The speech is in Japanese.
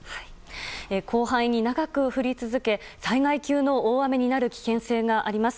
広範囲に長く降り続け災害級の大雨になる危険性があります。